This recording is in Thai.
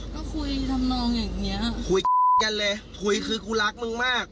ก็คุยทำนองอย่างเงี้ยคุยกันเลยคุยคือกูรักมึงมาก